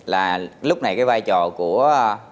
là lúc này cái vai trò của